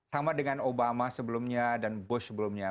sama dengan obama sebelumnya dan bos sebelumnya